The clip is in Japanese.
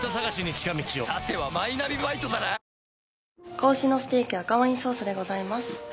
仔牛のステーキ赤ワインソースでございます。